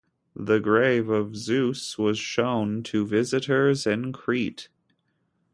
The grave of Zeus was shown to visitors in Crete.